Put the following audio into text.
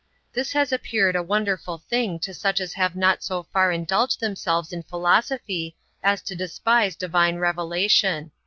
This has appeared a wonderful thing to such as have not so far indulged themselves in philosophy, as to despise Divine revelation.